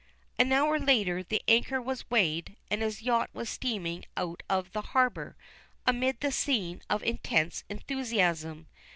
An hour later the anchor was weighed, and his yacht was steaming out of the harbor amid the scene of intense enthusiasm.